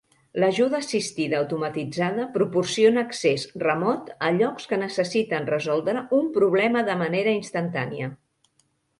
L'ajuda assistida automatitzada proporciona accés remot a llocs que necessiten resoldre un problema de manera instantània.